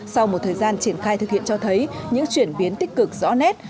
sau một thời gian triển khai thực hiện cho thấy những chuyển biến tích cực rõ nét